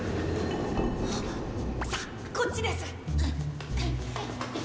さあこっちです。